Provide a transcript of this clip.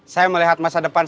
saya melihat masa depan